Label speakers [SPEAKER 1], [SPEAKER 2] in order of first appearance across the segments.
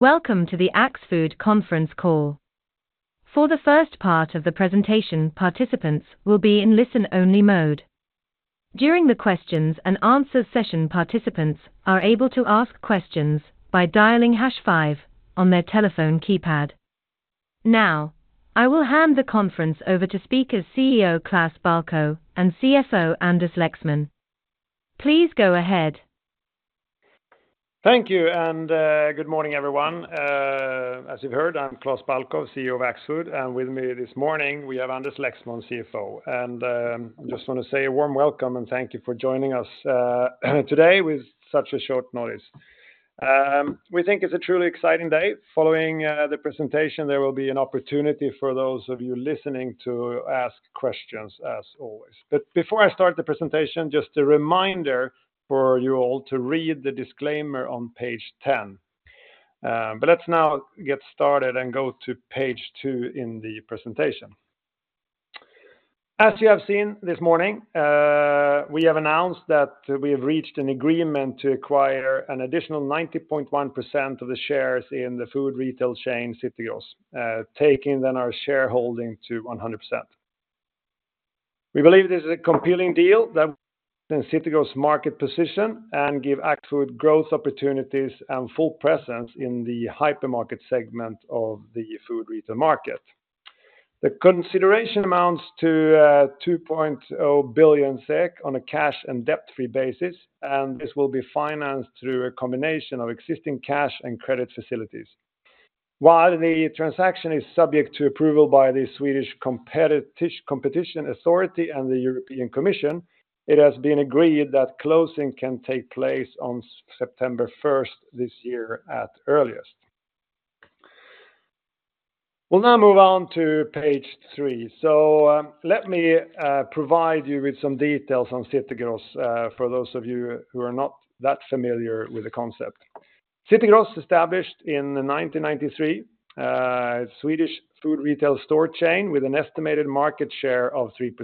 [SPEAKER 1] Welcome to the Axfood Conference Call. For the first part of the presentation, participants will be in listen-only mode. During the questions and answers session, participants are able to ask questions by dialing hash five on their telephone keypad. Now, I will hand the conference over to speakers CEO Klas Balkow and CFO Anders Lexmon. Please go ahead.
[SPEAKER 2] Thank you, and, good morning, everyone. As you've heard, I'm Klas Balkow, CEO of Axfood, and with me this morning, we have Anders Lexmon, CFO. I just want to say a warm welcome and thank you for joining us, today with such a short notice. We think it's a truly exciting day. Following the presentation, there will be an opportunity for those of you listening to ask questions, as always. But before I start the presentation, just a reminder for you all to read the disclaimer on page 10. But let's now get started and go to page two in the presentation. As you have seen this morning, we have announced that we have reached an agreement to acquire an additional 90.1% of the shares in the food retail chain, City Gross, taking then our shareholding to 100%. We believe this is a compelling deal that... City Gross market position and give Axfood growth opportunities and full presence in the hypermarket segment of the food retail market. The consideration amounts to 2.0 billion SEK on a cash and debt-free basis, and this will be financed through a combination of existing cash and credit facilities. While the transaction is subject to approval by the Swedish Competition Authority and the European Commission, it has been agreed that closing can take place on September first this year at earliest. We'll now move on to page three. So, let me provide you with some details on City Gross, for those of you who are not that familiar with the concept. City Gross, established in 1993, Swedish food retail store chain with an estimated market share of 3%.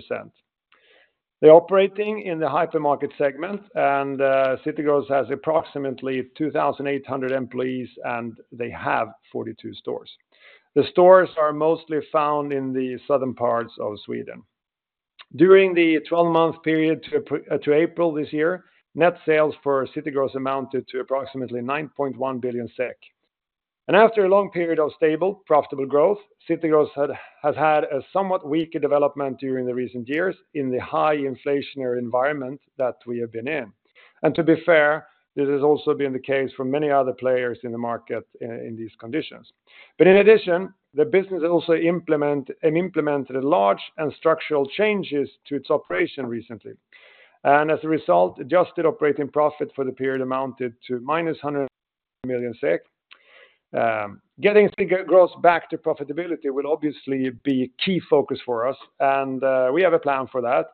[SPEAKER 2] They're operating in the hypermarket segment, and City Gross has approximately 2,800 employees, and they have 42 stores. The stores are mostly found in the southern parts of Sweden. During the twelve-month period to April this year, net sales for City Gross amounted to approximately 9.1 billion SEK. After a long period of stable, profitable growth, City Gross had, has had a somewhat weaker development during the recent years in the high inflationary environment that we have been in. To be fair, this has also been the case for many other players in the market in these conditions. But in addition, the business also implemented large and structural changes to its operation recently. As a result, adjusted operating profit for the period amounted to -100 million SEK. Getting City Gross back to profitability will obviously be a key focus for us, and we have a plan for that.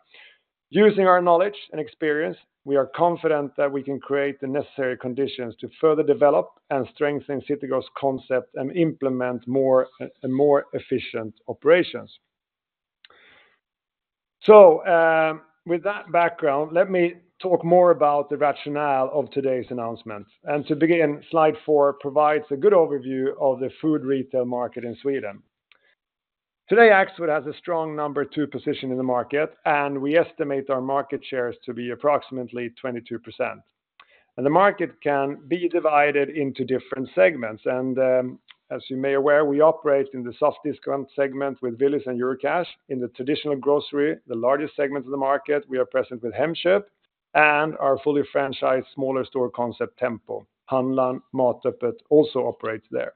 [SPEAKER 2] Using our knowledge and experience, we are confident that we can create the necessary conditions to further develop and strengthen City Gross concept and implement more efficient operations. With that background, let me talk more about the rationale of today's announcement. To begin, slide four provides a good overview of the food retail market in Sweden. Today, Axfood has a strong number two position in the market, and we estimate our market shares to be approximately 22%. The market can be divided into different segments, and, as you may aware, we operate in the soft discount segment with Willys and Eurocash. In the traditional grocery, the largest segment of the market, we are present with Hemköp and our fully franchised smaller store concept Tempo. Handlar'n, Matöppet also operates there.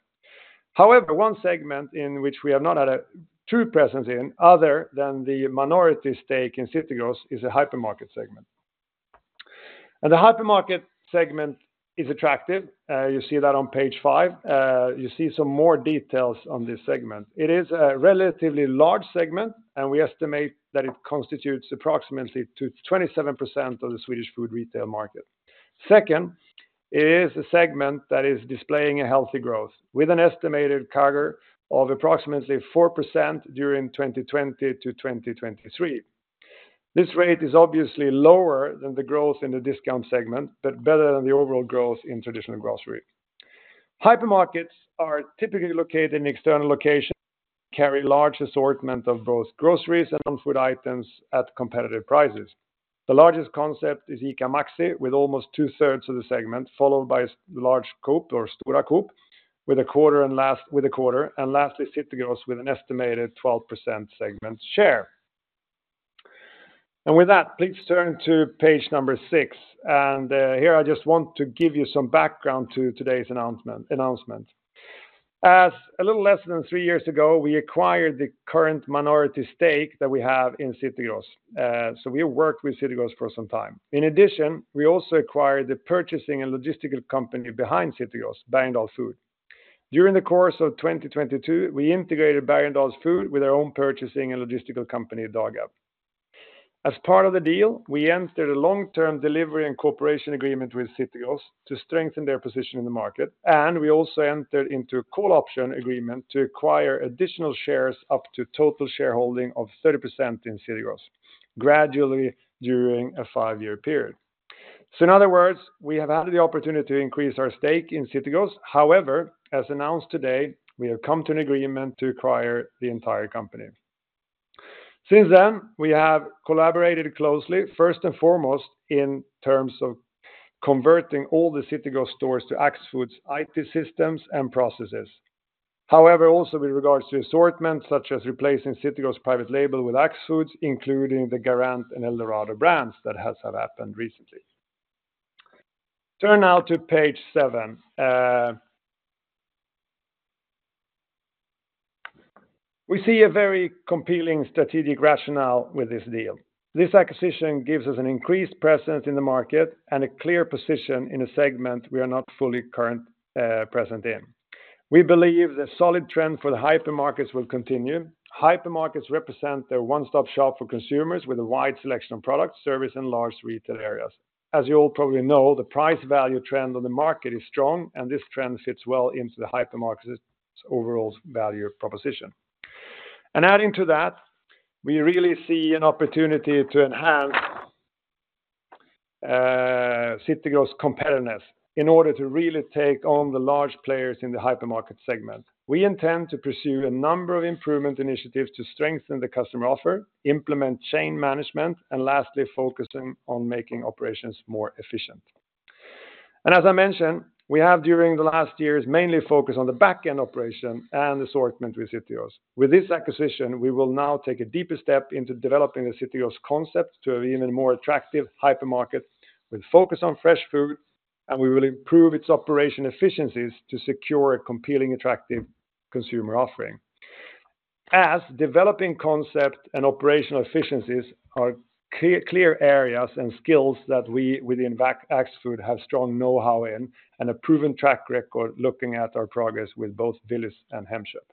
[SPEAKER 2] However, one segment in which we have not had a true presence in, other than the minority stake in City Gross, is a hypermarket segment. And the hypermarket segment is attractive, you see that on page five. You see some more details on this segment. It is a relatively large segment, and we estimate that it constitutes approximately to 27% of the Swedish food retail market. Second, it is a segment that is displaying a healthy growth with an estimated CAGR of approximately 4% during 2020 to 2023. This rate is obviously lower than the growth in the discount segment, but better than the overall growth in traditional grocery. Hypermarkets are typically located in external locations, carry large assortment of both groceries and non-food items at competitive prices. The largest concept is ICA Maxi, with almost 2/3 of the segment, followed by large Coop or Stora Coop, with a quarter, and lastly, City Gross, with an estimated 12% segment share. With that, please turn to page six, and here I just want to give you some background to today's announcement. As a little less than three years ago, we acquired the current minority stake that we have in City Gross. So we worked with City Gross for some time. In addition, we also acquired the purchasing and logistical company behind City Gross, Bergendahls Food. During the course of 2022, we integrated Bergendahls Food with our own purchasing and logistical company, Dagab. As part of the deal, we entered a long-term delivery and cooperation agreement with City Gross to strengthen their position in the market, and we also entered into a call option agreement to acquire additional shares up to total shareholding of 30% in City Gross, gradually during a five-year period.... So in other words, we have had the opportunity to increase our stake in City Gross. However, as announced today, we have come to an agreement to acquire the entire company. Since then, we have collaborated closely, first and foremost, in terms of converting all the City Gross stores to Axfood's IT systems and processes. However, also with regards to assortment, such as replacing City Gross private label with Axfood's, including the Garant and Eldorado brands that has happened recently. Turn now to page seven. We see a very compelling strategic rationale with this deal. This acquisition gives us an increased presence in the market and a clear position in a segment we are not fully currently present in. We believe the solid trend for the hypermarkets will continue. Hypermarkets represent the one-stop shop for consumers with a wide selection of products, service, and large retail areas. As you all probably know, the price value trend on the market is strong, and this trend fits well into the hypermarket's overall value proposition. And adding to that, we really see an opportunity to enhance City Gross' competitiveness in order to really take on the large players in the hypermarket segment. We intend to pursue a number of improvement initiatives to strengthen the customer offer, implement chain management, and lastly, focusing on making operations more efficient. As I mentioned, we have during the last years, mainly focused on the back-end operation and the assortment with City Gross. With this acquisition, we will now take a deeper step into developing the City Gross concept to an even more attractive hypermarket, with focus on fresh food, and we will improve its operation efficiencies to secure a competing, attractive consumer offering. As developing concept and operational efficiencies are clear areas and skills that we within Axfood have strong know-how in, and a proven track record looking at our progress with both Willys and Hemköp.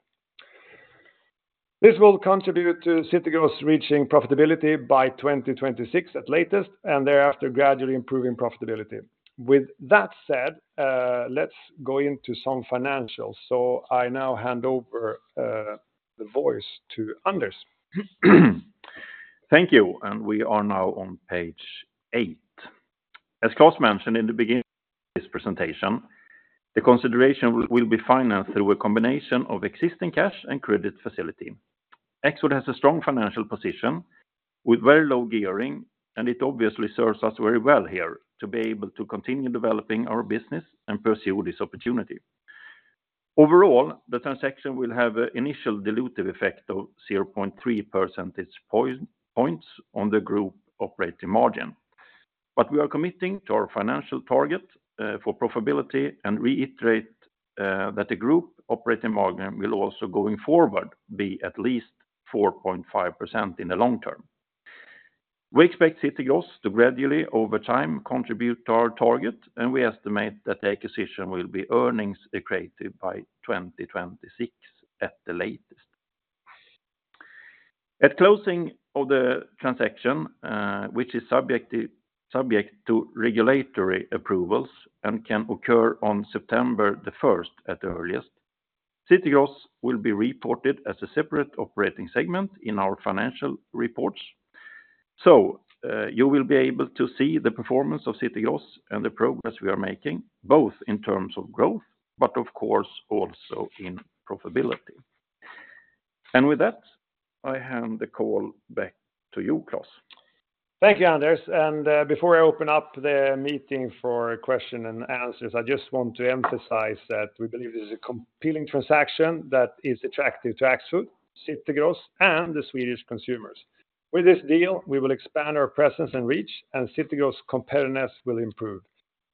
[SPEAKER 2] This will contribute to City Gross reaching profitability by 2026 at latest, and thereafter gradually improving profitability. With that said, let's go into some financials. I now hand over the voice to Anders.
[SPEAKER 3] Thank you, and we are now on page eight. As Klas mentioned in the beginning of this presentation, the consideration will be financed through a combination of existing cash and credit facility. Axfood has a strong financial position with very low gearing, and it obviously serves us very well here to be able to continue developing our business and pursue this opportunity. Overall, the transaction will have an initial dilutive effect of 0.3 percentage points on the group operating margin. But we are committing to our financial target for profitability and reiterate that the group operating margin will also going forward be at least 4.5% in the long term. We expect City Gross to gradually, over time, contribute to our target, and we estimate that the acquisition will be earnings accretive by 2026, at the latest. At closing of the transaction, which is subject to regulatory approvals and can occur on September the first at the earliest, City Gross will be reported as a separate operating segment in our financial reports. So, you will be able to see the performance of City Gross and the progress we are making, both in terms of growth, but of course, also in profitability. And with that, I hand the call back to you, Klas.
[SPEAKER 2] Thank you, Anders, and, before I open up the meeting for question and answers, I just want to emphasize that we believe this is a compelling transaction that is attractive to Axfood, City Gross, and the Swedish consumers. With this deal, we will expand our presence and reach, and City Gross' competitiveness will improve.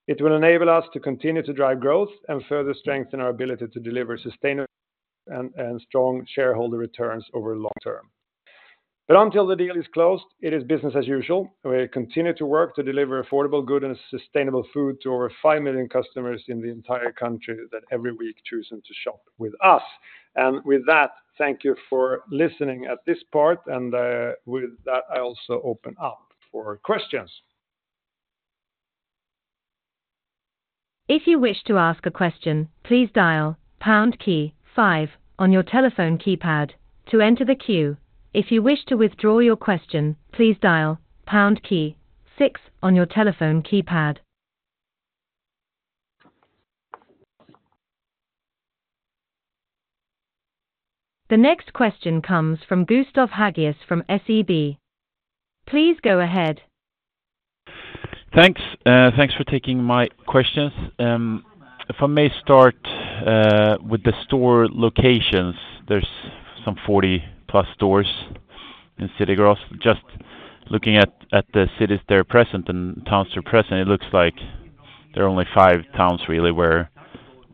[SPEAKER 2] It will enable us to continue to drive growth and further strengthen our ability to deliver sustainable and, and strong shareholder returns over long term. But until the deal is closed, it is business as usual. We continue to work to deliver affordable, good, and sustainable food to over 5 million customers in the entire country that every week choosing to shop with us. And with that, thank you for listening at this part, and, with that, I also open up for questions.
[SPEAKER 1] If you wish to ask a question, please dial pound key five on your telephone keypad to enter the queue. If you wish to withdraw your question, please dial pound key six on your telephone keypad. The next question comes from Gustav Hagéus from SEB. Please go ahead.
[SPEAKER 4] Thanks, thanks for taking my questions. If I may start with the store locations, there are some 40-plus stores in City Gross. Just looking at the cities they're present and towns they're present, it looks like there are only five towns, really, where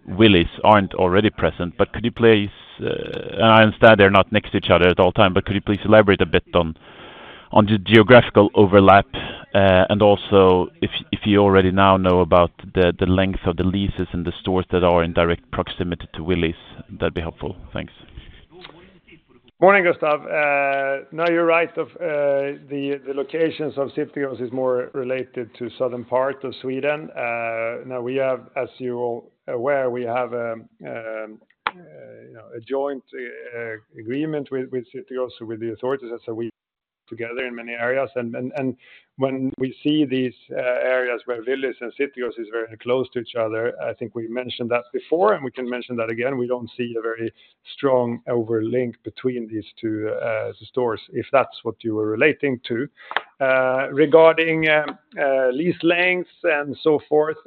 [SPEAKER 4] Willys aren't already present. But could you please... And I understand they're not next to each other at all time, but could you please elaborate a bit on the geographical overlap, and also if you already now know about the length of the leases in the stores that are in direct proximity to Willys, that'd be helpful. Thanks.
[SPEAKER 2] Morning, Gustav. No, you're right, the locations of City Gross are more related to the southern part of Sweden. Now, as you're aware, we have. You know, a joint agreement with City Gross with the authorities, and so we together in many areas. And when we see these areas where Willys and City Gross is very close to each other, I think we mentioned that before, and we can mention that again, we don't see a very strong overlap between these two stores, if that's what you were relating to. Regarding lease lengths and so forth,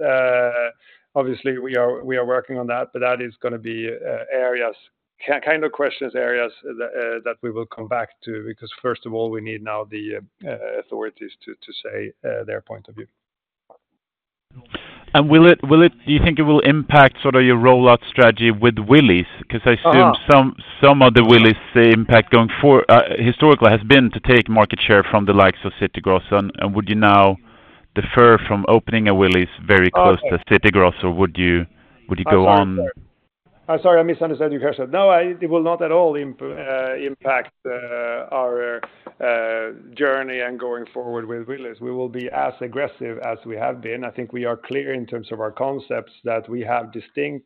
[SPEAKER 2] obviously, we are, we are working on that, but that is gonna be areas, kind of questions areas that we will come back to, because first of all, we need now the authorities to say their point of view.
[SPEAKER 4] Will it-- will it-- Do you think it will impact sort of your rollout strategy with Willys?
[SPEAKER 2] Uh-uh.
[SPEAKER 4] Because I assume some of the Willys, the impact going for, historically, has been to take market share from the likes of City Gross. And would you now defer from opening a Willys very close-
[SPEAKER 2] Uh
[SPEAKER 4] -to City Gross, or would you, would you go on?
[SPEAKER 2] I'm sorry. I misunderstood you, Gustav. No, it will not at all impact our journey and going forward with Willys. We will be as aggressive as we have been. I think we are clear in terms of our concepts, that we have distinct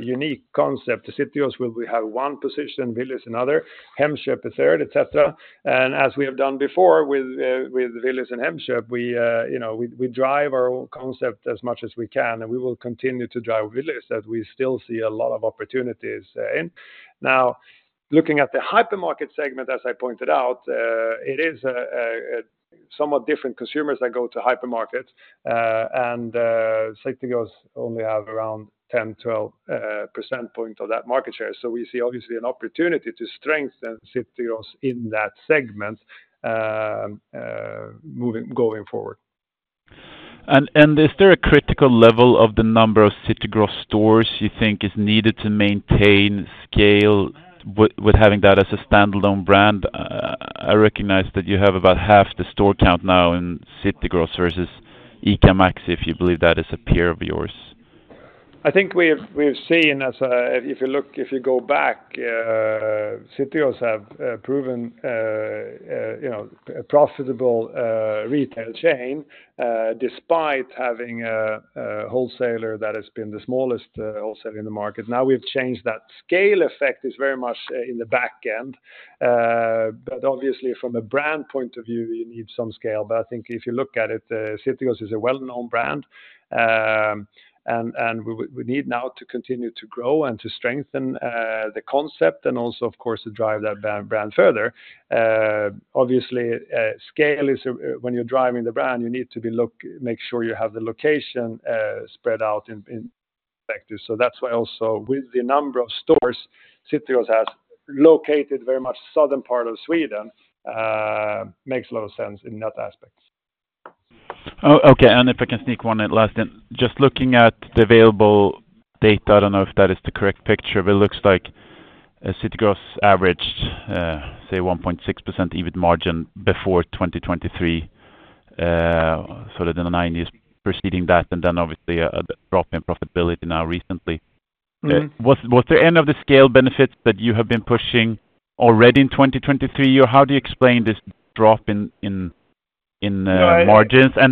[SPEAKER 2] unique concept. The City Gross will we have one position, Willys another, Hemköp a third, et cetera. As we have done before with with Willys and Hemköp, we you know we we drive our concept as much as we can, and we will continue to drive Willys as we still see a lot of opportunities in. Now, looking at the hypermarket segment, as I pointed out, it is a somewhat different consumers that go to hypermarket, and City Gross only have around 10-12 percentage points of that market share. So we see obviously an opportunity to strengthen City Gross in that segment, going forward.
[SPEAKER 4] Is there a critical level of the number of City Gross stores you think is needed to maintain scale with having that as a standalone brand? I recognize that you have about half the store count now in City Gross versus ICA Maxi, if you believe that is a peer of yours.
[SPEAKER 2] I think we've seen, as if you look—if you go back, City Gross has proven, you know, a profitable retail chain, despite having a wholesaler that has been the smallest wholesaler in the market. Now, we've changed that. Scale effect is very much in the back end, but obviously, from a brand point of view, you need some scale. But I think if you look at it, City Gross is a well-known brand, and we need now to continue to grow and to strengthen the concept and also, of course, to drive that brand further. Obviously, scale is, when you're driving the brand, you need to make sure you have the location spread out in vectors. So that's why also with the number of stores, City Gross has located very much southern part of Sweden, makes a lot of sense in that aspects.
[SPEAKER 4] Oh, okay. And if I can sneak one last in. Just looking at the available data, I don't know if that is the correct picture, but it looks like, City Gross averaged, say, 1.6% EBIT margin before 2023, sort of in the nine years preceding that, and then obviously, a drop in profitability now recently.
[SPEAKER 2] Mm-hmm.
[SPEAKER 4] Was the end of the scale benefits that you have been pushing already in 2023? Or how do you explain this drop in margins?
[SPEAKER 2] Yeah,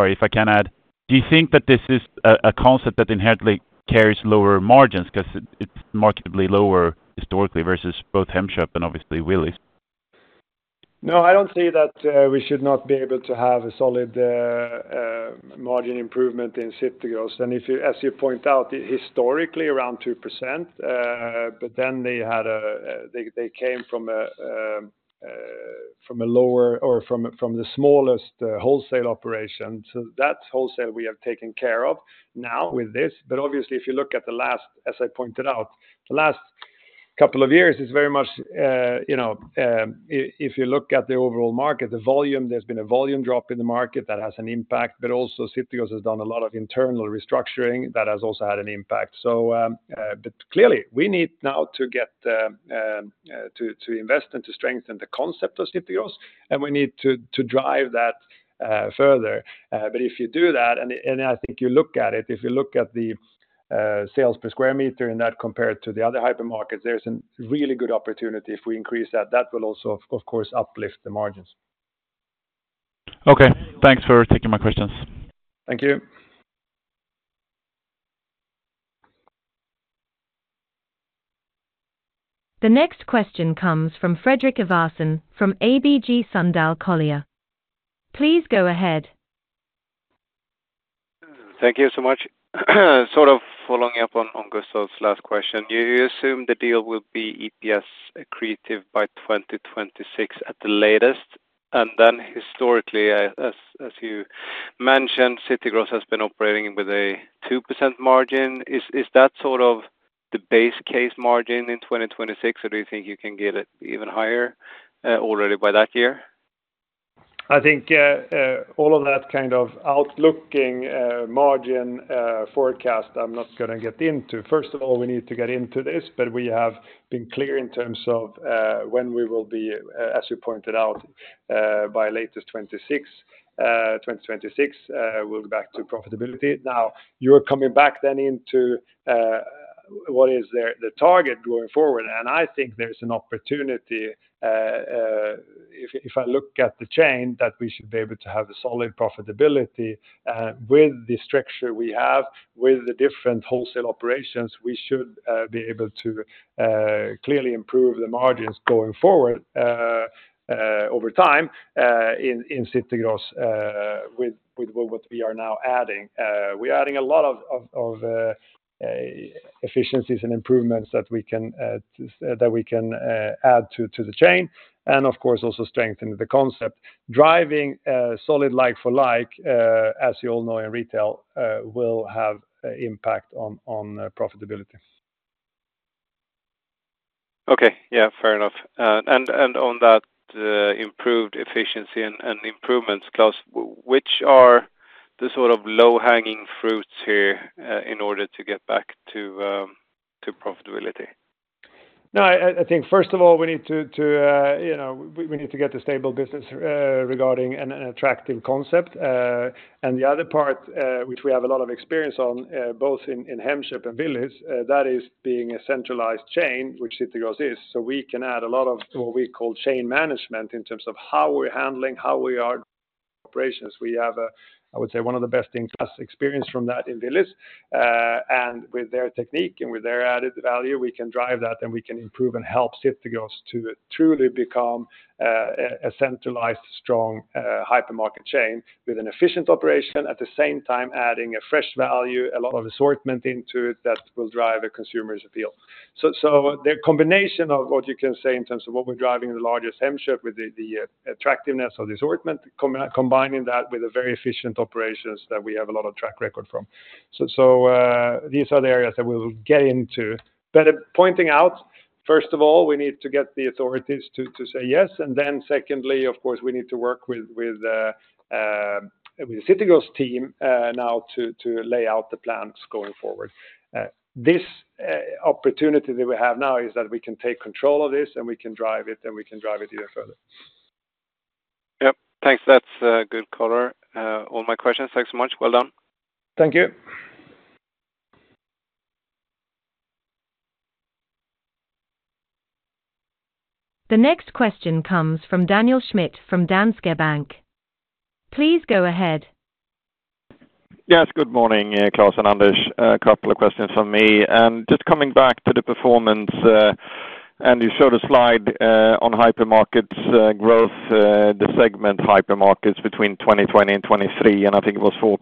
[SPEAKER 2] I-
[SPEAKER 4] If I can add, do you think that this is a concept that inherently carries lower margins? Because it's markedly lower historically versus both Hemköp and obviously Willys.
[SPEAKER 2] No, I don't see that we should not be able to have a solid margin improvement in City Gross. And if you—as you point out, historically, around 2%, but then they had a, they, they came from a, from a lower or from, from the smallest wholesale operation. So that wholesale we have taken care of now with this. But obviously, if you look at the last, as I pointed out, the last couple of years is very much, you know, if you look at the overall market, the volume, there's been a volume drop in the market that has an impact, but also City Gross has done a lot of internal restructuring that has also had an impact. So, but clearly, we need now to get, to, to invest and to strengthen the concept of City Gross, and we need to, to drive that, further. But if you do that, and, and I think you look at it, if you look at the, sales per square meter, and that compared to the other hypermarkets, there's a really good opportunity. If we increase that, that will also, of course, uplift the margins.
[SPEAKER 4] Okay, thanks for taking my questions.
[SPEAKER 2] Thank you.
[SPEAKER 1] The next question comes from Fredrik Ivarsson, from ABG Sundal Collier. Please go ahead.
[SPEAKER 5] Thank you so much. Sort of following up on Gustav's last question. You assume the deal will be EPS accretive by 2026 at the latest, and then historically, as you mentioned, City Gross has been operating with a 2% margin. Is that sort of the base case margin in 2026, or do you think you can get it even higher already by that year?
[SPEAKER 2] I think all of that kind of outlooking margin forecast I'm not gonna get into. First of all, we need to get into this, but we have been clear in terms of when we will be, as you pointed out, by latest 2026 we'll be back to profitability. Now, you're coming back then into what is the target going forward? And I think there's an opportunity if I look at the chain that we should be able to have a solid profitability with the structure we have, with the different wholesale operations, we should be able to clearly improve the margins going forward over time in City Gross with what we are now adding. We're adding a lot of efficiencies and improvements that we can add to the chain, and of course, also strengthen the concept. Driving solid like for like, as you all know, in retail, will have impact on profitability.
[SPEAKER 5] Okay. Yeah, fair enough. And on that, improved efficiency and improvements, Klas, which are the sort of low-hanging fruits here, in order to get back to profitability?
[SPEAKER 2] No, I think first of all, we need to, you know, we need to get a stable business, regarding an attractive concept. And the other part, which we have a lot of experience on, both in Hemköp and Willys, that is being a centralized chain, which City Gross is. So we can add a lot of what we call chain management in terms of how we're handling, how we are operations. We have, I would say, one of the best in class experience from that in Willys. And with their technique and with their added value, we can drive that, and we can improve and help City Gross to truly become a centralized, strong hypermarket chain with an efficient operation. At the same time, adding a fresh value, a lot of assortment into it that will drive a consumer's appeal. So, the combination of what you can say in terms of what we're driving in the larger Hemköp with the attractiveness of the assortment, combining that with a very efficient operations that we have a lot of track record from. So, these are the areas that we'll get into. But at pointing out, first of all, we need to get the authorities to say yes, and then secondly, of course, we need to work with the City Gross team now to lay out the plans going forward. This opportunity that we have now is that we can take control of this, and we can drive it, and we can drive it even further.
[SPEAKER 5] Yep. Thanks, that's a good color. All my questions. Thanks so much. Well done.
[SPEAKER 2] Thank you.
[SPEAKER 1] The next question comes from Daniel Schmidt from Danske Bank. Please go ahead.
[SPEAKER 6] Yes, good morning, Klas and Anders. A couple of questions from me. Just coming back to the performance, and you showed a slide on hypermarkets growth, the segment hypermarkets between 2020 and 2023, and I think it was 4%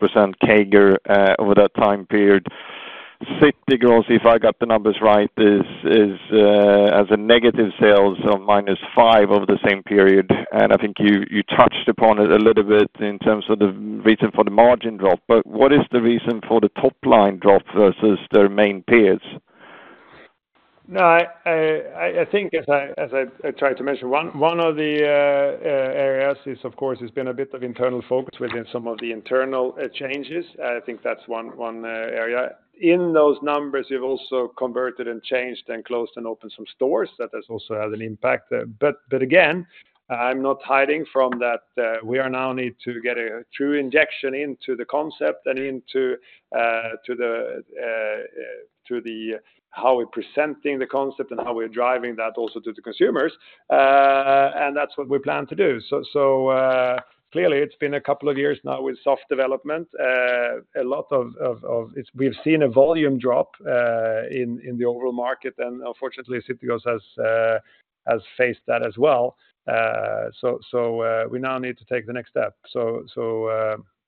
[SPEAKER 6] CAGR over that time period. City Gross, if I got the numbers right, is, is, as a negative sales of minus 5 over the same period, and I think you, you touched upon it a little bit in terms of the reason for the margin drop, but what is the reason for the top line drop versus their main peers?
[SPEAKER 2] No, I think as I tried to mention, one of the areas is, of course, has been a bit of internal focus within some of the internal changes. I think that's one area. In those numbers, we've also converted and changed and closed and opened some stores. That has also had an impact there. But again, I'm not hiding from that, we are now need to get a true injection into the concept and into to the how we're presenting the concept and how we're driving that also to the consumers. And that's what we plan to do. So clearly, it's been a couple of years now with soft development. A lot of we've seen a volume drop in the overall market, and unfortunately, City Gross has faced that as well. So,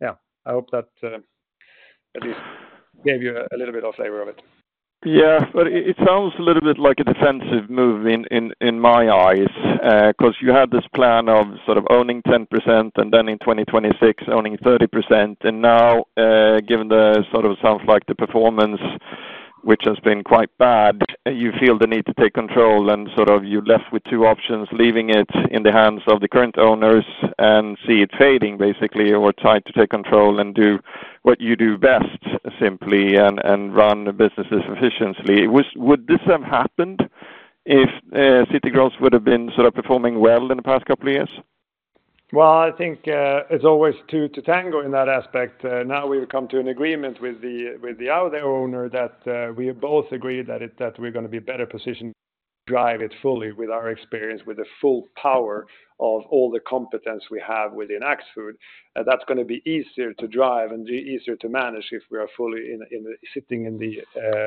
[SPEAKER 2] yeah, I hope that at least gave you a little bit of flavor of it.
[SPEAKER 6] Yeah, but it sounds a little bit like a defensive move in my eyes, because you had this plan of sort of owning 10%, and then in 2026, owning 30%. And now, given the sort of sounds like the performance, which has been quite bad, you feel the need to take control and sort of you're left with 2 options, leaving it in the hands of the current owners and see it fading basically, or try to take control and do what you do best, simply, and run the businesses efficiently. Would this have happened if City Gross would have been sort of performing well in the past couple of years?
[SPEAKER 2] Well, I think it's always two to tango in that aspect. Now we've come to an agreement with the other owner that we both agree that we're gonna be better positioned to drive it fully with our experience, with the full power of all the competence we have within Axfood. And that's gonna be easier to drive and easier to manage if we are fully in sitting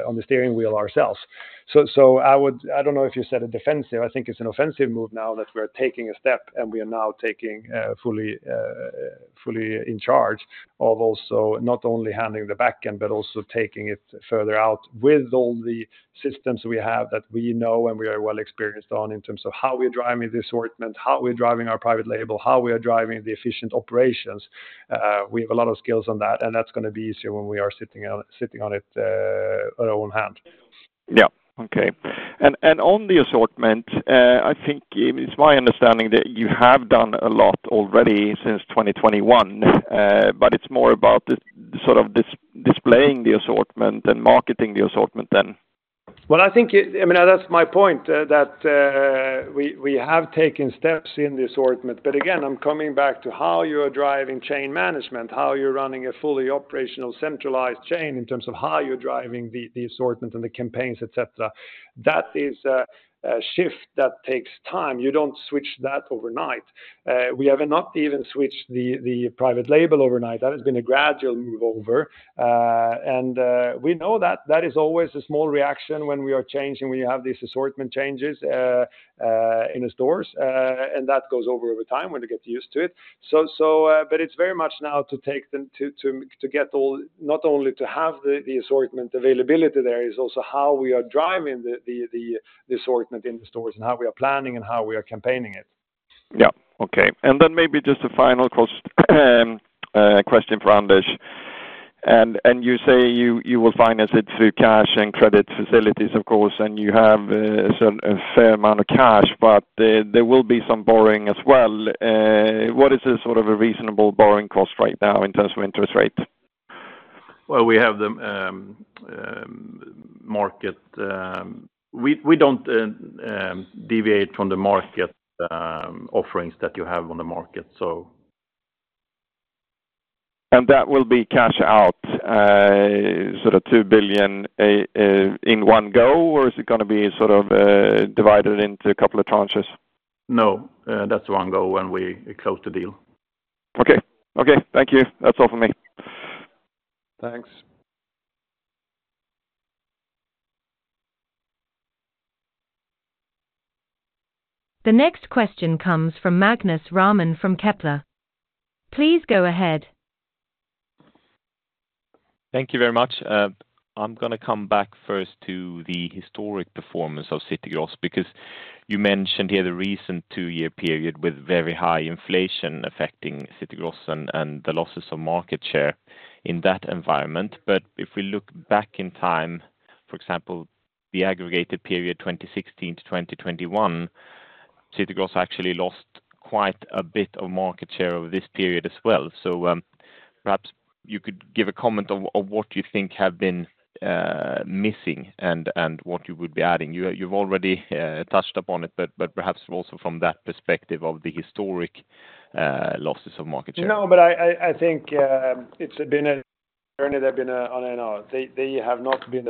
[SPEAKER 2] on the steering wheel ourselves. So, I don't know if you said a defensive, I think it's an offensive move now that we're taking a step, and we are now taking fully in charge of also not only handling the back end but also taking it further out with all the systems we have that we know and we are well experienced on in terms of how we're driving the assortment, how we're driving our private label, how we are driving the efficient operations. We have a lot of skills on that, and that's gonna be easier when we are sitting on it, our own hand.
[SPEAKER 6] Yeah. Okay. And on the assortment, I think it's my understanding that you have done a lot already since 2021, but it's more about the sort of displaying the assortment and marketing the assortment then? ...
[SPEAKER 2] Well, I think, I mean, that's my point, that we have taken steps in the assortment, but again, I'm coming back to how you are driving chain management, how you're running a fully operational centralized chain in terms of how you're driving the assortment and the campaigns, et cetera. That is a shift that takes time. You don't switch that overnight. We have not even switched the private label overnight. That has been a gradual move over. And we know that that is always a small reaction when we are changing, when you have these assortment changes in the stores, and that goes over time when they get used to it. But it's very much now to take them to get all—not only to have the assortment availability there, is also how we are driving the assortment in the stores, and how we are planning, and how we are campaigning it.
[SPEAKER 6] Yeah. Okay, and then maybe just a final question for Anders. And you say you will finance it through cash and credit facilities, of course, and you have a fair amount of cash, but there will be some borrowing as well. What is a sort of a reasonable borrowing cost right now in terms of interest rate?
[SPEAKER 3] Well, we have the market. We don't deviate from the market offerings that you have on the market, so.
[SPEAKER 6] That will be cash out, sort of 2 billion in one go, or is it gonna be sort of divided into a couple of tranches?
[SPEAKER 3] No, that's one go when we close the deal.
[SPEAKER 6] Okay. Okay, thank you. That's all for me.
[SPEAKER 3] Thanks.
[SPEAKER 1] The next question comes from Magnus Råman from Kepler. Please go ahead.
[SPEAKER 7] Thank you very much. I'm gonna come back first to the historic performance of City Gross, because you mentioned here the recent 2-year period with very high inflation affecting City Gross and, and the losses of market share in that environment. But if we look back in time, for example, the aggregated period, 2016 to 2021, City Gross actually lost quite a bit of market share over this period as well. So, perhaps you could give a comment on, on what you think have been, missing and, and what you would be adding. You, you've already touched upon it, but, but perhaps also from that perspective of the historic losses of market share.
[SPEAKER 2] No, but I think it's been a journey that's been on and on. They have not been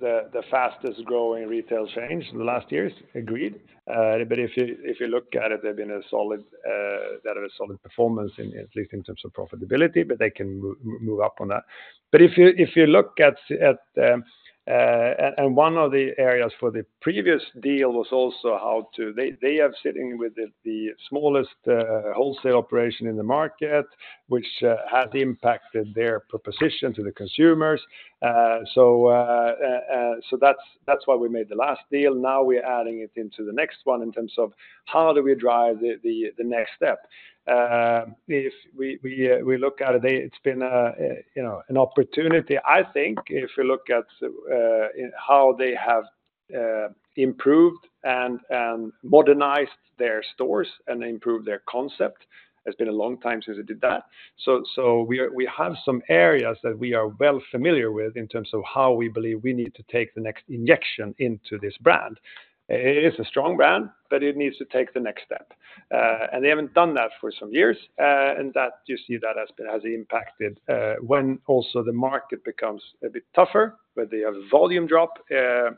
[SPEAKER 2] the fastest growing retail chains in the last years, agreed. But if you look at it, they've been a solid, they have a solid performance, at least in terms of profitability, but they can move up on that. But if you look at and one of the areas for the previous deal was also how to, they are sitting with the smallest wholesale operation in the market, which has impacted their proposition to the consumers. So that's why we made the last deal. Now we're adding it into the next one in terms of how do we drive the next step. If we look at it, they—it's been, you know, an opportunity. I think if you look at how they have improved and modernized their stores and improved their concept, it's been a long time since they did that. So we are—we have some areas that we are well familiar with in terms of how we believe we need to take the next injection into this brand. It is a strong brand, but it needs to take the next step. And they haven't done that for some years, and that, you see that has impacted when also the market becomes a bit tougher, where they have a volume drop in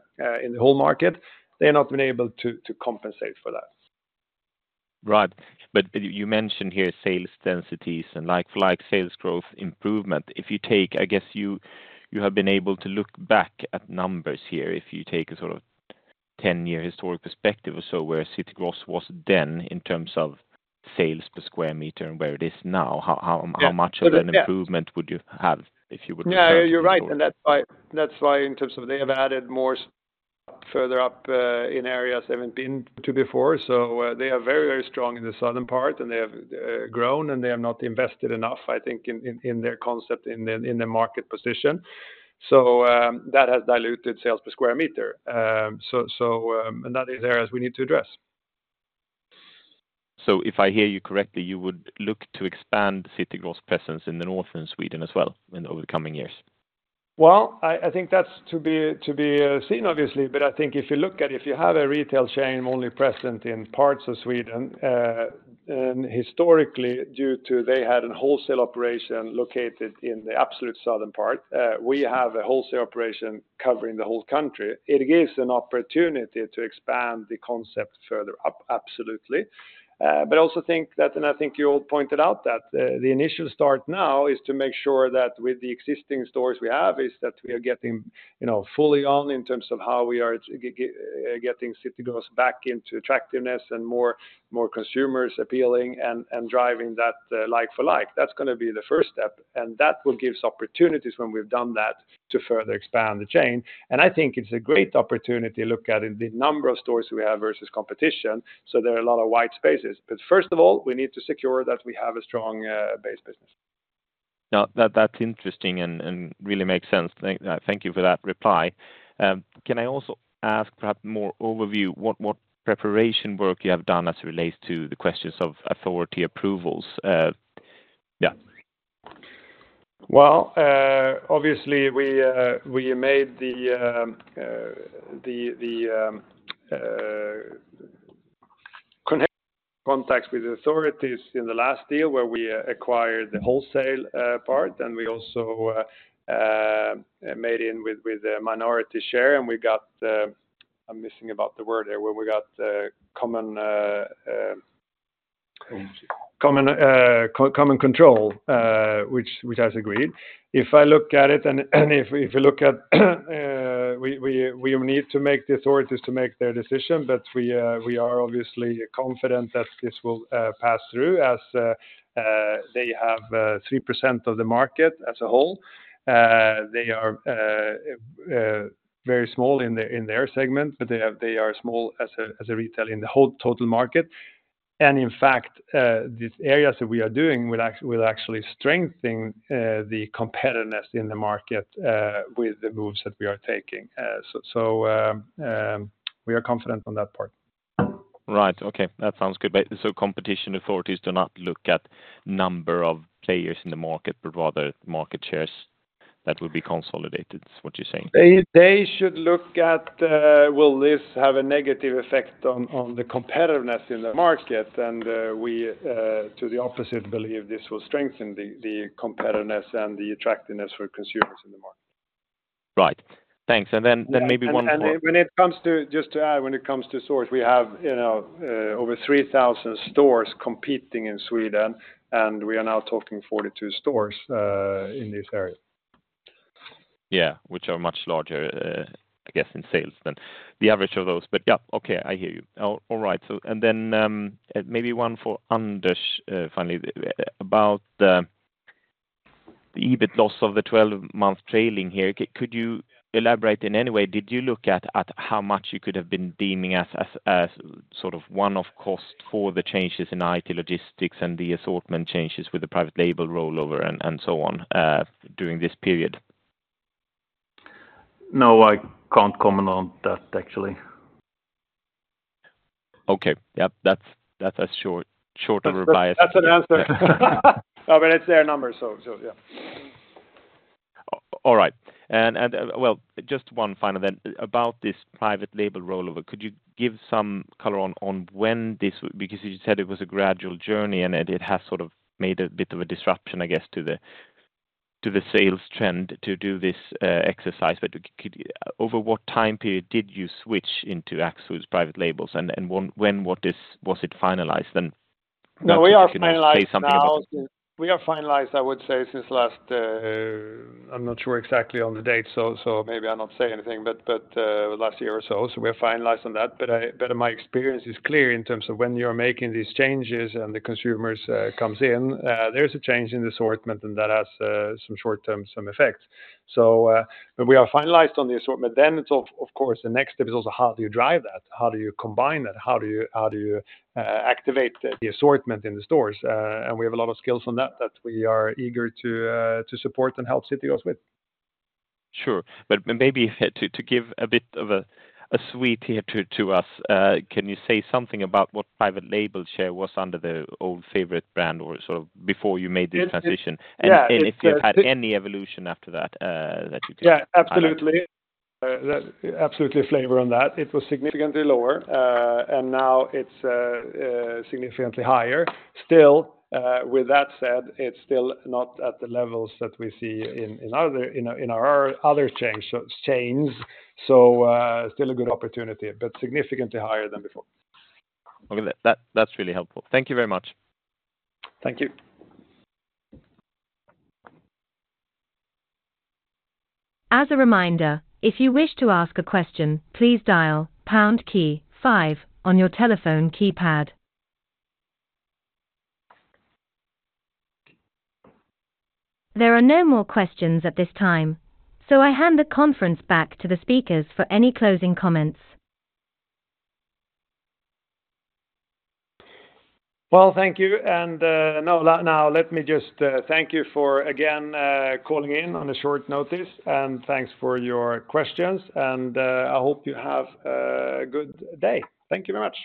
[SPEAKER 2] the whole market, they have not been able to compensate for that.
[SPEAKER 7] Right. But you mentioned here sales densities and like-for-like sales growth improvement. If you take... I guess you have been able to look back at numbers here. If you take a sort of ten-year historic perspective or so, where City Gross was then in terms of sales per square meter and where it is now, how
[SPEAKER 2] Yeah.
[SPEAKER 7] much of an improvement would you have if you would?
[SPEAKER 2] Yeah, you're right, and that's why, that's why in terms of they have added more further up in areas they haven't been to before. So, they are very, very strong in the southern part, and they have grown, and they have not invested enough, I think, in their concept, in the market position. So, and that is areas we need to address.
[SPEAKER 7] If I hear you correctly, you would look to expand City Gross presence in the north in Sweden as well in over the coming years?
[SPEAKER 2] Well, I think that's to be seen obviously, but I think if you look at it, if you have a retail chain only present in parts of Sweden, and historically, due to they had a wholesale operation located in the absolute southern part, we have a wholesale operation covering the whole country. It gives an opportunity to expand the concept further up, absolutely. But I also think that, and I think you all pointed out, that the initial start now is to make sure that with the existing stores we have, is that we are getting, you know, fully on in terms of how we are getting City Gross back into attractiveness and more consumers appealing and driving that like for like. That's gonna be the first step, and that will give us opportunities when we've done that to further expand the chain. And I think it's a great opportunity to look at it, the number of stores we have versus competition, so there are a lot of white spaces. But first of all, we need to secure that we have a strong base business.
[SPEAKER 7] Now, that, that's interesting and, and really makes sense. Thank, thank you for that reply. Can I also ask perhaps more overview, what, what preparation work you have done as it relates to the questions of authority approvals? Yeah....
[SPEAKER 2] Well, obviously, we made the contacts with the authorities in the last deal where we acquired the wholesale part, and we also made in with a minority share, and we got, I'm missing about the word here, where we got common control, which has agreed. If I look at it, and if you look at, we need to make the authorities to make their decision, but we are obviously confident that this will pass through as they have 3% of the market as a whole. They are very small in their segment, but they have, they are small as a retail in the whole total market. In fact, these areas that we are doing will actually strengthen the competitiveness in the market with the moves that we are taking. So, we are confident on that part.
[SPEAKER 7] Right. Okay, that sounds good. Competition authorities do not look at number of players in the market, but rather market shares that will be consolidated, is what you're saying?
[SPEAKER 2] They should look at, will this have a negative effect on the competitiveness in the market? And, we, to the opposite, believe this will strengthen the competitiveness and the attractiveness for consumers in the market.
[SPEAKER 7] Right. Thanks. And then maybe one more-
[SPEAKER 2] Just to add, when it comes to stores, we have, you know, over 3,000 stores competing in Sweden, and we are now talking 42 stores in this area.
[SPEAKER 7] Yeah, which are much larger, I guess, in sales than the average of those. But, yeah, okay, I hear you. All right, so and then, maybe one for Anders, finally, about the EBIT loss of the 12-month trailing here. Could you elaborate in any way? Did you look at how much you could have been deeming as sort of one-off cost for the changes in IT, logistics, and the assortment changes with the private label rollover and so on, during this period?
[SPEAKER 3] No, I can't comment on that, actually.
[SPEAKER 7] Okay. Yep, that's, that's a short, short reply.
[SPEAKER 2] That's an answer. No, but it's their numbers, so, yeah.
[SPEAKER 7] All right. Well, just one final then. About this private label rollover, could you give some color on when this... Because you said it was a gradual journey, and it has sort of made a bit of a disruption, I guess, to the sales trend to do this exercise. But could you... Over what time period did you switch into Axfood's private labels, and when was this finalized? Then maybe you can also say something about-
[SPEAKER 2] We are finalized now. We are finalized, I would say, since last, I'm not sure exactly on the date, so maybe I'll not say anything, but last year or so. So we are finalized on that. But my experience is clear in terms of when you're making these changes and the consumers comes in, there's a change in the assortment, and that has some short-term effects. But we are finalized on the assortment. Then, of course, the next step is also how do you drive that? How do you combine that? How do you activate the assortment in the stores? And we have a lot of skills on that that we are eager to support and help City Gross with.
[SPEAKER 7] Sure. But maybe to give a bit of a sweet here to us, can you say something about what private label share was under the old Favorit brand or sort of before you made this transition?
[SPEAKER 2] Yeah, it's,
[SPEAKER 7] If you've had any evolution after that, that you can-
[SPEAKER 2] Yeah, absolutely. That absolutely flavor on that. It was significantly lower, and now it's significantly higher. Still, with that said, it's still not at the levels that we see in our other chains. So, still a good opportunity, but significantly higher than before.
[SPEAKER 7] Okay. That, that's really helpful. Thank you very much.
[SPEAKER 2] Thank you.
[SPEAKER 1] As a reminder, if you wish to ask a question, please dial pound key five on your telephone keypad. There are no more questions at this time, so I hand the conference back to the speakers for any closing comments.
[SPEAKER 2] Well, thank you. And, now, let me just thank you for, again, calling in on a short notice, and thanks for your questions. And, I hope you have a good day. Thank you very much.